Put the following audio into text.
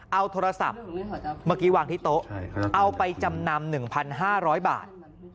เอาโทรศัพท์เมื่อกี้วางที่โต๊ะเอาไปจำนำ๑๕๐๐บาท